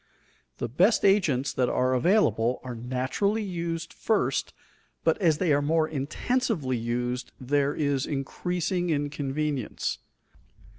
The best agents that are available are naturally used first, but as they are more intensively used there is increasing inconvenience.